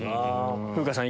風花さん